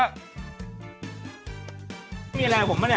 อันนี้อะไรของมันน่ะ